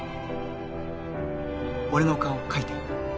俺の顔描いて。